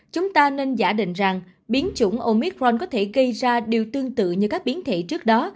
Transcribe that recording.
chúng ta nên giả định rằng biến chủng omicron có thể gây ra điều tương tự như các biến thể trước đó